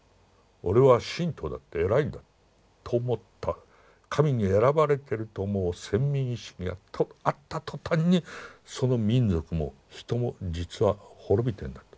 俺は信徒だって偉いんだと思った神に選ばれてると思う選民意識があった途端にその民族も人も実は滅びてんだと。